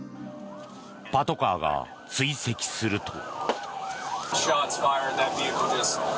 パトカーが追跡すると。